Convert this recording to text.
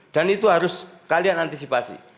dan itu harus kalian antisipasi